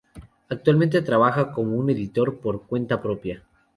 Actualmente trabaja como un editor por cuenta propia.